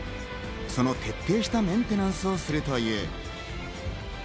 その徹底したメンテナンスをするという。